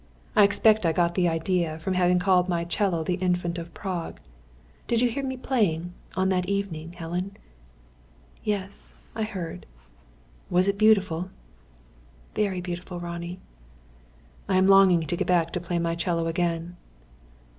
I expect I got the idea from having called my 'cello the Infant of Prague. Did you hear me playing, on that evening, Helen?" "Yes, I heard." "Was it beautiful?" "Very beautiful, Ronnie." "I am longing to get back to play my 'cello again."